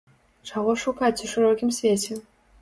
Чаго шукаць у шырокім свеце?